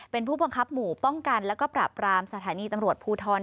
เป็นผู้บังคับหมู่ป้องกันแล้วก็ปราบรามสถานีตำรวจภูทร